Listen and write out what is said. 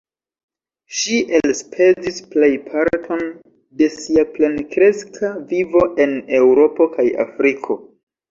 Ŝi elspezis plejparton de sia plenkreska vivo en Eŭropo kaj Afriko.